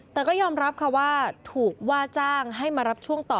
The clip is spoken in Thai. แต่ก็ยอมรับค่ะว่าถูกว่าจ้างให้มารับช่วงต่อ